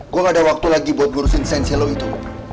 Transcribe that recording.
gue gak ada waktu lagi buat ngurusin senselo itu